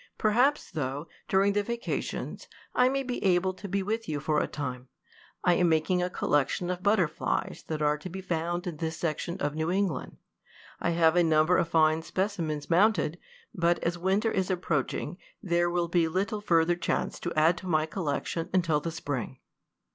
Perhaps, though, during the vacations, I may be able to be with you for a time. I am making a collection of butterflies that are to be found in this section of New England. I have a number of fine specimens mounted, but as winter is approaching there will be little further chance to add to my collection until the spring.